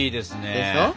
でしょ？